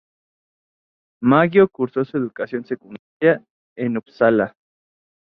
Maggio cursó su educación secundaria en Upsala.